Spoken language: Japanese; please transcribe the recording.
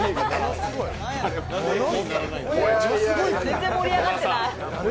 全然盛り上がってない。